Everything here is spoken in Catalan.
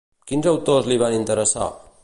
Quins autors li van interessar?